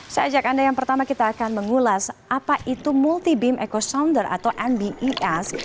saya ajak anda yang pertama kita akan mengulas apa itu multi beam echo sounder atau mbes